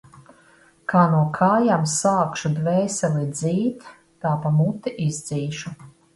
Kā no kājām sākšu dvēseli dzīt, tā pa muti izdzīšu.